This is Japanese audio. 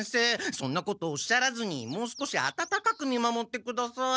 そんなことおっしゃらずにもう少し温かく見守ってください。